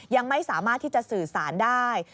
ยังไม่สามารถที่จะสื่อสารได้